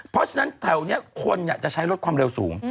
เพราะฉะนั้นแถวนี้คนจะใช้รถความเร็วสูง